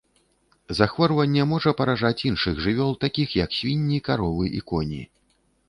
Захворванне можа паражаць іншых жывёл, такіх як свінні, каровы і коні.